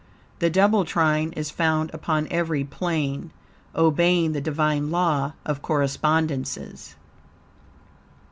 The double trine is found upon every plane, obeying the Divine Law of Correspondences.